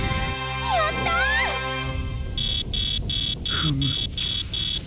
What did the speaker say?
フム！